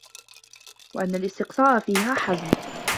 وَأَنَّ الِاسْتِقْصَاءَ فِيهَا حَزْمٌ